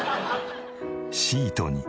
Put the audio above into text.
シートに。